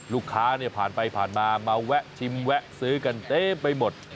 ลูกค้าเนี่ยผ่านไปผ่านมามาแวะชิมแวะซื้อกันเต็มไปหมด